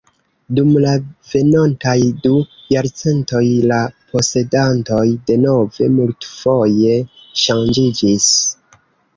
Dum la venontaj du jarcentoj la posedantoj denove multfoje ŝanĝiĝis.